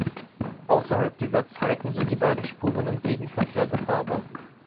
Außerhalb dieser Zeiten sind die beiden Spuren im Gegenverkehr befahrbar.